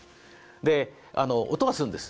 で音がするんです。